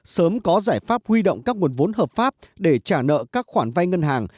sớm có giải pháp huy động các nguồn vốn hợp pháp để trả nợ các khoản vay ngân hàng